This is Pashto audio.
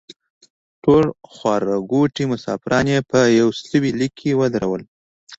ټول خوارکوټي مسافران په یوستوي لیک کې ودرول.